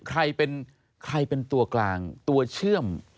แล้วใครเป็นตัวกลางตัวเชื่อม